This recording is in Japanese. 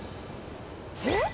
えっ？